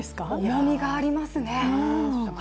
重みがありますね。